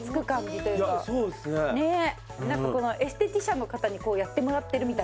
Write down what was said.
エステティシャンの方にやってもらってるみたいな。